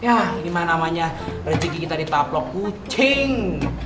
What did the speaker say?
yah ini mah namanya rezeki kita di tablo kucing